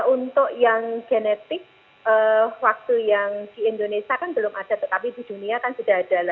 untuk yang genetik waktu yang di indonesia kan belum ada tetapi di dunia kan sudah ada